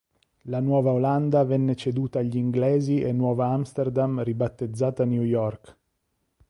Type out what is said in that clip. La Nuova Olanda venne ceduta agli inglesi e Nuova Amsterdam ribattezzata New York.